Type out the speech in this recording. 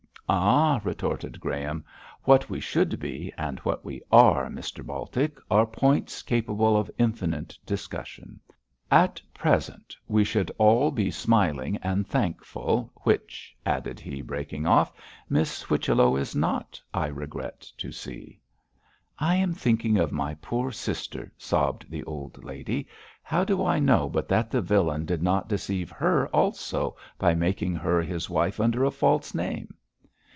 'Ah!' retorted Graham. 'What we should be, and what we are, Mr Baltic, are points capable of infinite discussion. At present we should be smiling and thankful, which,' added he, breaking off, 'Miss Whichello is not, I regret to see.' 'I am thinking of my poor sister,' sobbed the old lady. 'How do I know but that the villain did not deceive her also by making her his wife under a false name?'